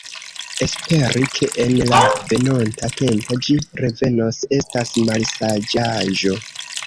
Esperi, ke en la venonta tempo ĝi revenos, estas malsaĝaĵo.